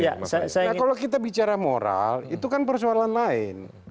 nah kalau kita bicara moral itu kan persoalan lain